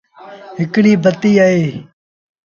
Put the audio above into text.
هڪڙي بتيٚ اهي۔